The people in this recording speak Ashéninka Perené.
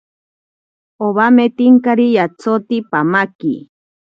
Owametinkari yatsoti pamaki.